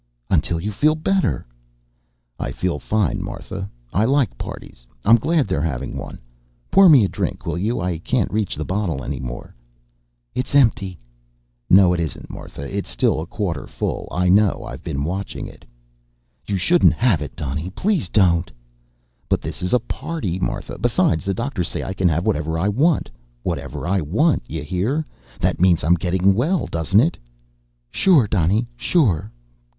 "Until you feel better." "I feel fine, Martha. I like parties. I'm glad they're having one. Pour me a drink, will you? I can't reach the bottle anymore." "It's empty." "No, it isn't, Martha, it's still a quarter full. I know. I've been watching it." "You shouldn't have it, Donny. Please don't." "But this is a party, Martha. Besides, the doctor says I can have whatever I want. Whatever I want, you hear? That means I'm getting well, doesn't it?" "Sure, Donny, sure.